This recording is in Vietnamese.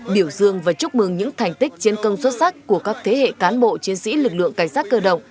biểu dương và chúc mừng những thành tích chiến công xuất sắc của các thế hệ cán bộ chiến sĩ lực lượng cảnh sát cơ động